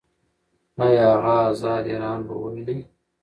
ایا هغه ازاد ایران به وویني؟